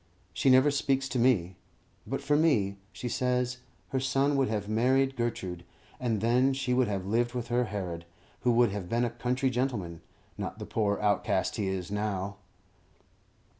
She never speaks to me. But for me, she says, her son would have married Gertrude, and then she would have lived with her Herod, who would have been a country gentleman, not the poor outcast he is now.